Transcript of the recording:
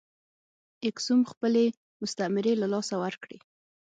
اکسوم خپلې مستعمرې له لاسه ورکړې.